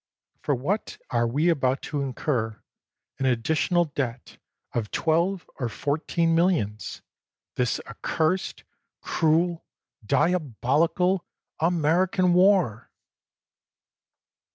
For what are we about to incur an additional debt of twelve or fourteen millions? This ac cursed, cruel, diabolical American war!